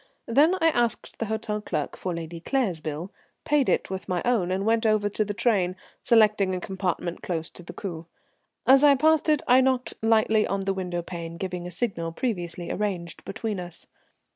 Then I asked the hotel clerk for Lady Claire's bill, paid it, with my own, and went over to the train, selecting a compartment close to the coupé. As I passed it I knocked lightly on the window pane, giving a signal previously arranged between us.